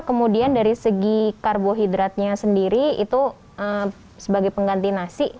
kemudian dari segi karbohidratnya sendiri itu sebagai pengganti nasi